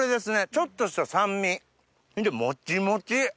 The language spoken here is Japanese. ちょっとした酸味でモチモチ！